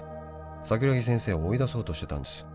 「桜木先生を追い出そうとしてたんです」